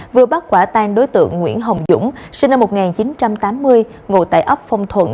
vừa bắt quả tan đối tượng nguyễn hồng dũng sinh năm một nghìn chín trăm tám mươi ngộ tại ốc phong thuận